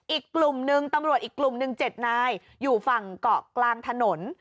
อีกกลุ่มหนึ่งตำรวจอีกกลุ่มหนึ่ง๗นายอยู่ฝั่งเกาะกลางถนน